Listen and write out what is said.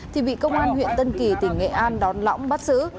thì bị công an huyện tân kỳ tỉnh nghệ an đón lõng bắt giữ